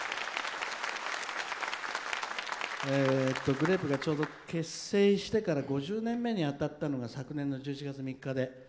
グレープがちょうど結成してから５０年目にあたったのが昨年の１１月３日で。